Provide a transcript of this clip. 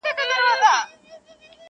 o د حاجيانو ځاى مکه ده!